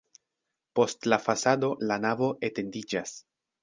Post la fasado la navo etendiĝas.